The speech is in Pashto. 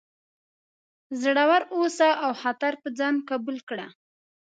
زړور اوسه او خطر په ځان قبول کړه.